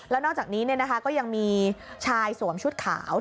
แล้วนอกจากนี้ก็ยังมีชายสวมชุดขาว